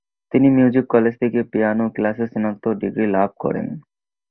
তিনি music college থেকে piano ক্লাসে স্নাতক ডিগ্রী লাভ করেন।